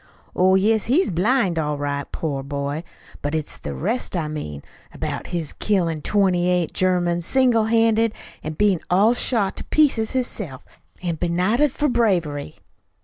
"Oh, yes, he's blind, all right, poor boy! But it's the rest I mean about his killin' twenty eight Germans single handed, an' bein' all shot to pieces hisself, an' benighted for bravery."